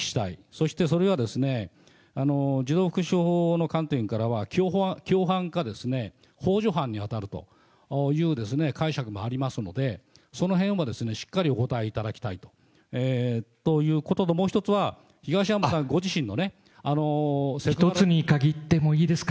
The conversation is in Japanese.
そしてそれが、児童福祉法の観点からは、共犯かほう助犯に当たるという解釈がありますので、そのへんをしっかりとお答えいただきたいということともう１つは、１つに限ってもいいですか。